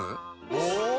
お！